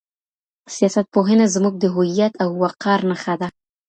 سیاست پوهنه زموږ د هویت او وقار نښه ده.